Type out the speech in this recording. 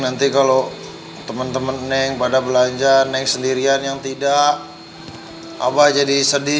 nanti kalau temen temen neng pada belanja neng sendirian yang tidak abah jadi sedih